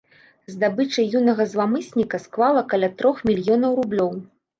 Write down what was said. Здабыча юнага зламысніка склала каля трох мільёнаў рублёў.